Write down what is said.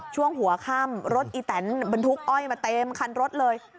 ช่วงหัวค่ำรถอีแตนบรรทุกอ้อยมาเต็มคันรถเลย